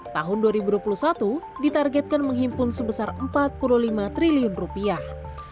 tahun dua ribu dua puluh satu ditargetkan menghimpun sebesar empat puluh lima triliun rupiah